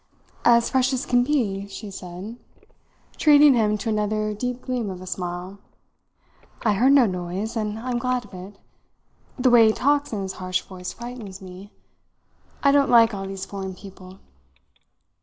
"As fresh as can be," she said, treating him to another deep gleam of a smile. "I heard no noise, and I'm glad of it. The way he talks in his harsh voice frightens me. I don't like all these foreign people."